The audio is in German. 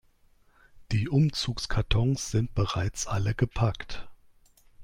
Die Umzugskartons sind bereits alle gepackt.